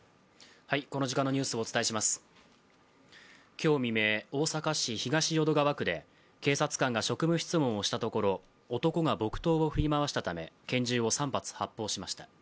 今日未明、大阪市東淀川区で警察官が職務質問をしたところ男が木刀を振り回したため拳銃を３発、発砲しました。